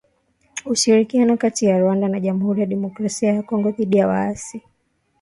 Ushirikiano kati ya Rwanda na Jamuhuri ya Demokrasia ya Kongo dhidi ya waasi